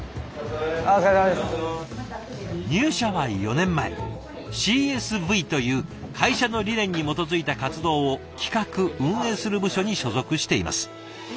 入社は４年前ＣＳＶという会社の理念に基づいた活動を企画運営する部署に所属しています。